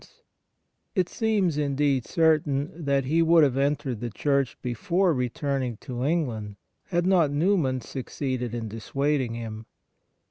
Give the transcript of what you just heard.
Memoir of Father Faber y "' It seems, indeed, certain that he would have entered the Church before returning to England had not Newman succeeded in dissuading him.